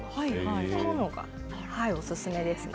それがおすすめですね。